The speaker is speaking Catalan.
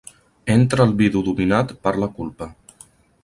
Entra el vidu dominat per la culpa.